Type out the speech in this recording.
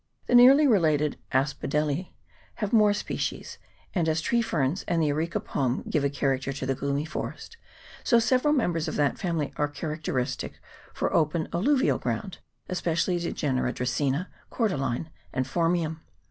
The nearly related Asphodelece have more species, and, as tree ferns and the Areca palm give a character to the gloomy forest, so several members of that family are cha racteristic for open alluvial ground, especially the genera Dracaena, Cordyline, and Phormium.